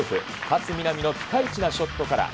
勝みなみのピカイチなショットから。